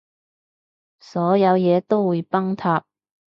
所有嘢都會崩塌